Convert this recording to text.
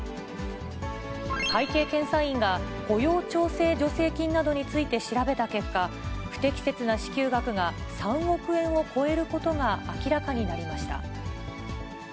会計検査院が、雇用調整助成金などについて調べた結果、不適切な支給額が３億円を超えることが明らかになりました。